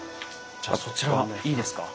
じゃあそちらいいですか？